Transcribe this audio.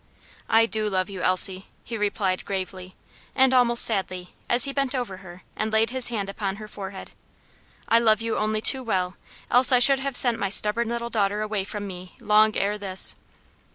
"I do love you, Elsie," he replied gravely, and almost sadly, as he bent over her and laid his hand upon her forehead. "I love you only too well, else I should have sent my stubborn little daughter away from me long ere this."